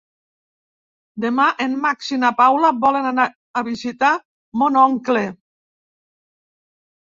Demà en Max i na Paula volen anar a visitar mon oncle.